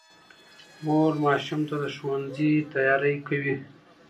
مور ماشوم ته د ښوونځي تیاری کوي